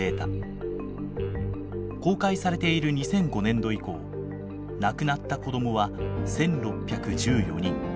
公開されている２００５年度以降亡くなった子どもは１，６１４人。